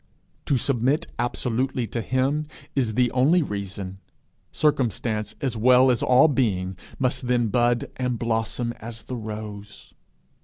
To submit absolutely to him is the only reason: circumstance as well as all being must then bud and blossom as the rose.